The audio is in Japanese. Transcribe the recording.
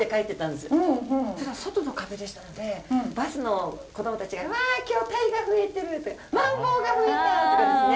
そしたら外の壁でしたのでバスの子どもたちが「うわ今日タイが増えてる」とか「マンボウが増えた」とかですね